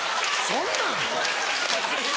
そんなん。